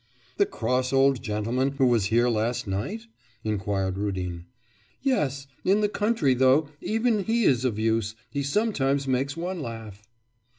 'The cross old gentleman who was here last night?' inquired Rudin. 'Yes.... In the country though, even he is of use he sometimes makes one laugh.